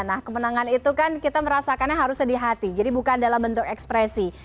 nah kemenangan itu kan kita merasakannya harus sedih hati jadi bukan dalam bentuk ekspresi